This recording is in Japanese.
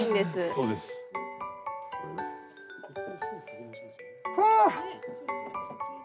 そうです。はあ！